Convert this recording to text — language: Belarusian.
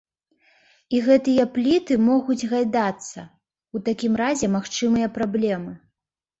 І гэтыя пліты могуць гайдацца, у такім разе магчымыя праблемы.